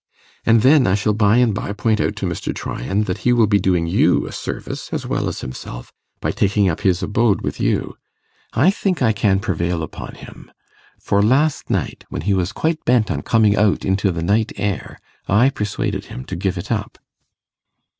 And then I shall by and by point out to Mr. Tryan that he will be doing you a service as well as himself by taking up his abode with you. I think I can prevail upon him; for last night, when he was quite bent on coming out into the night air, I persuaded him to give it up.